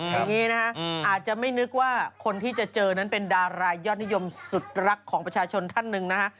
อย่างนี้นะฮะอาจจะไม่นึกว่าคนที่จะเจอนั้นเป็นดารายอดนิยมสุดรักของประชาชนท่านหนึ่งนะฮะ